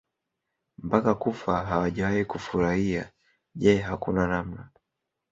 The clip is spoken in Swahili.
mpaka kufa hawajawahi kufurahia Je hakuna namna